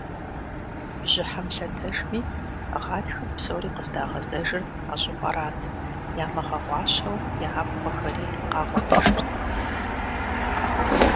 Бжьыхьэм лъэтэжми, гъатхэм псори къыздагъэзэжыр а щӏыпӏэрат, ямыгъэгъуащэу я абгъуэхэри къагъуэтыжырт.